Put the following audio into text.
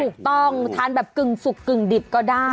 ถูกต้องทานแบบกึ่งสุกกึ่งดิบก็ได้